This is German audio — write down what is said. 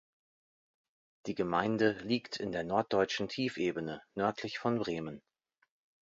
Die Gemeinde liegt in der norddeutschen Tiefebene nördlich von Bremen.